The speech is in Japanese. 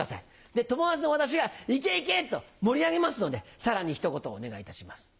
で友達の私が「いけいけ！」と盛り上げますのでさらに一言お願いいたします。